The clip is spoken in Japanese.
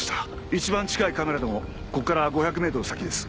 一番近いカメラでもここから５００メートル先です。